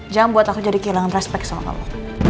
jangan buat aku jadi kehilangan respek sama kamu